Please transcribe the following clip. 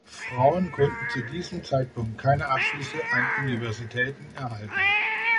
Frauen konnten zu diesem Zeitpunkt keine Abschlüsse an Universitäten erhalten.